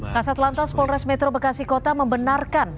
kasat lantas polres metro bekasi kota membenarkan